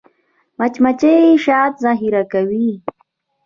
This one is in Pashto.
مچمچۍ شات ذخیره کوي